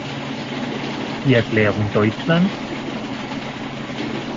Die Erklärung "Deutschland?